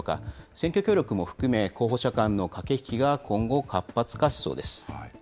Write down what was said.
選挙協力も含め、候補者間の駆け引きが今後、活発化しそうです。